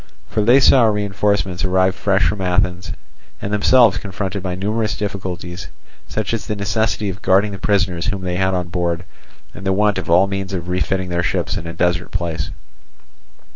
For they saw reinforcements arrived fresh from Athens, and themselves confronted by numerous difficulties, such as the necessity of guarding the prisoners whom they had on board and the want of all means of refitting their ships in a desert place.